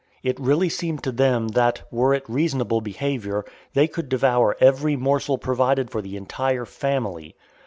It really seemed to them that, were it reasonable behavior, they could devour every morsel provided for the entire family.